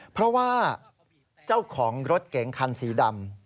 เพราะว่าเจ้าของรถเก๋งคันสีดำ